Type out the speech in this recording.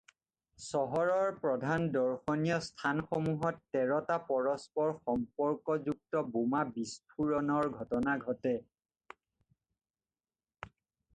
চহৰৰ প্ৰধান দৰ্শনীয় স্থানসমূহত তেৰটা পৰস্পৰ সম্পৰ্কযুক্ত বোমা বিস্ফোৰণৰ ঘটনা ঘটে।